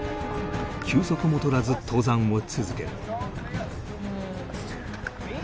休息も取らず登山を続ける